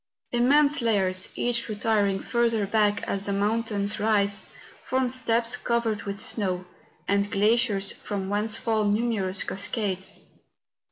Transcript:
Immense layers, each retir¬ ing further back as the mountains rise, form steps covered with snow, and glaciers from whence fall numerous cascades.